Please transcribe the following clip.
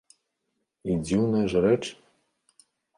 І дзіўная ж рэч.